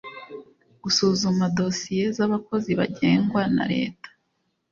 gusuzuma dosiye z’ abakozi bagengwa na leta